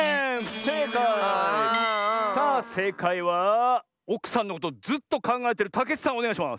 さあせいかいはおくさんのことずっとかんがえてるたけちさんおねがいします！